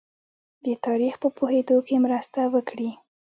د تاریخ په پوهېدو کې مرسته وکړي.